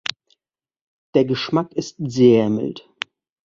Der Geschmack ist sehr mild.